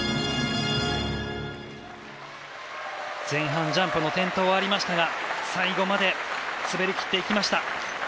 前半、ジャンプの転倒はありましたが最後まで滑り切っていきました。